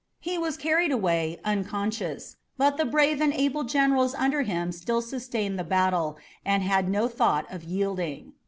He was carried away, unconscious, but the brave and able generals under him still sustained the battle, and had no thought of yielding.